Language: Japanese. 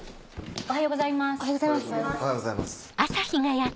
おはようございます。